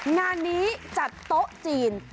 งานนี้จัดโต๊ะจีน